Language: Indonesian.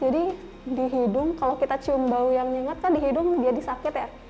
jadi di hidung kalau kita cium bau yang menyengat kan di hidung jadi sakit ya